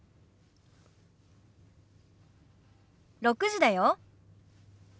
６時だよ。